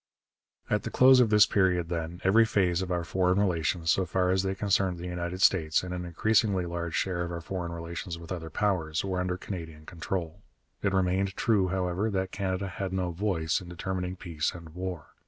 At the close of this period, then, every phase of our foreign relations so far as they concerned the United States, and an increasingly large share of our foreign relations with other powers, were under Canadian control. It remained true, however, that Canada had no voice in determining peace and war.